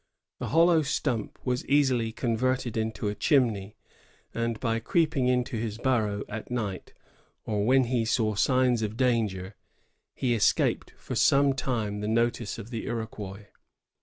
The hollow stump was easily converted into a chimney; and by creeping into his burrow at night, or when he saw signs of danger, he escaped for some time the notice of the Iroquois.